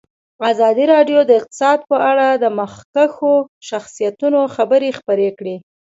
ازادي راډیو د اقتصاد په اړه د مخکښو شخصیتونو خبرې خپرې کړي.